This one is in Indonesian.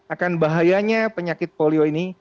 akan bahayanya penyakit polio ini